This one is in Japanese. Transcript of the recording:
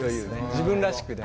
自分らしくね。